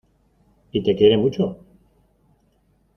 Y te quiere mucho.